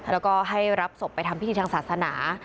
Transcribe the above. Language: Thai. แล้วก็ให้รับศพไปทำพิธีทางศาสนา